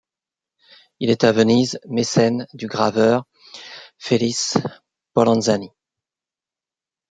Il est à Venise mécène du graveur Felice Polanzani.